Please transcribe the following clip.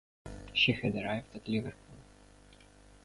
She had arrived at Liverpool.